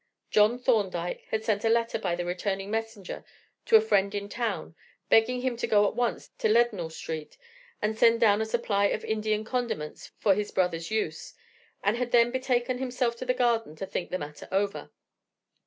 John Thorndyke had sent a letter by the returning messenger to a friend in town, begging him to go at once to Leadenhall Street and send down a supply of Indian condiments for his brother's use, and had then betaken himself to the garden to think the matter over.